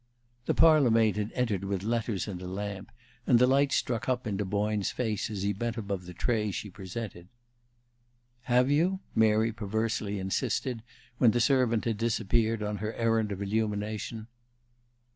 The parlor maid had entered with letters and a lamp, and the light struck up into Boyne's face as he bent above the tray she presented. "Have you?" Mary perversely insisted, when the servant had disappeared on her errand of illumination.